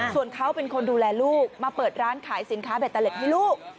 ส่วนเขาเป็นคนดูแลลูกมาเปิดร้านขายสินค้าเบตเตอร์เล็ตให้ลูก